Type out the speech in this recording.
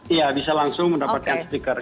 iya bisa langsung mendapat stikernya